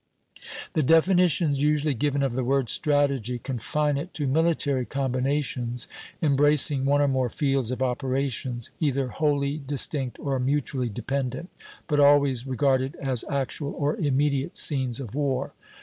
The definitions usually given of the word "strategy" confine it to military combinations embracing one or more fields of operations, either wholly distinct or mutually dependent, but always regarded as actual or immediate scenes of war.